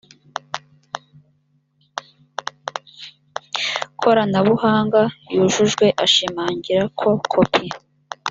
koranabuhanga yujujwe ashimangira ko kopi